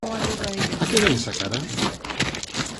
A que vén esa cara?